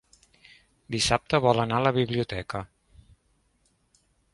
Dissabte vol anar a la biblioteca.